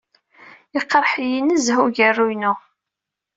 Iqerḥ-iyi nezzeh ugerru-innu.